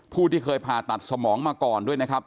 ผู้ที่เคยผ่าตัดสมองมาก่อนด้วยนะครับ